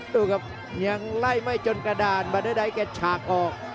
ดูครับยังไล่ไม่จนกระดานบาเดอร์ไดแกฉากออก